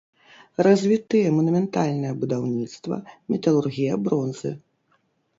Развітыя манументальнае будаўніцтва, металургія бронзы.